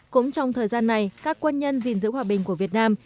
cũng trong thời gian này các quân nhân gìn giữ hòa bình của việt nam